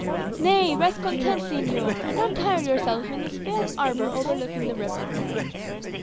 "Nay, rest content, señor; and untire yourself in this fair arbour overlooking the river."